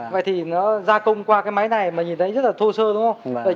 vậy thì nó gia công qua cái máy này mà nhìn thấy rất là thô sơ đúng không